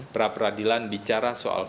pra peradilan bicara soal